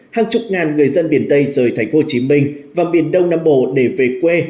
hàng chục ngàn người dân biển tây rời tp hcm và biển đông nam bộ để về quê